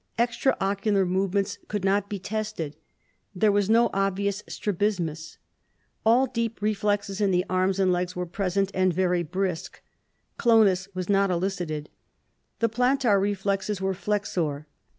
Extra ocular movements could not be tested; there was no obvious strabismus. All deep reflexes in the arms and legs were present and very brisk. Clonus was not elicited. The plantar reflexes were flexor.